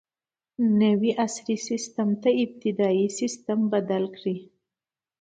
نوي عصري سیسټم ته ابتدايي سیسټم بدل کړو.